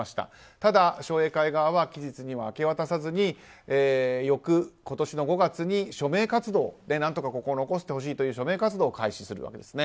ただ、商栄会側は期日には明け渡さずに今年の５月に署名活動で何とかここを残してほしいという署名活動を開始するわけです。